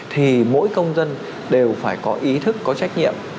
thì mỗi công dân đều phải có ý thức có trách nhiệm